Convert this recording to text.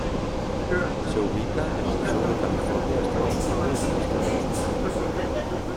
Se ubica en el sur de California, Estados Unidos, al este de Los Ángeles.